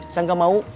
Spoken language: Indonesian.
saya gak mau